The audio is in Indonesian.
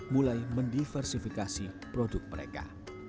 mulai mendiversifikasi produk mereka